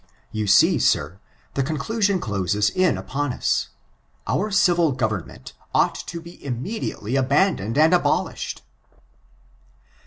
You see, sir, the conclusion closes in upon us : our civil government ought to be immediately abandoned and abolished.